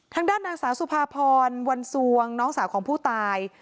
ทางด้านนางสาวสุภาพรวันสวงน้องสาวของผู้ตาย